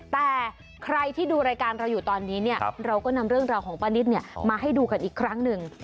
แต่ใครที่ดูรายการเราอยู่ตอนนี้เราก็นำเรื่องราวของป้านิตมาให้ดูกันอีกครั้งหนึ่ง